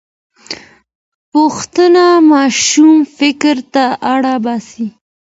پوښتنه ماشوم فکر ته اړ باسي.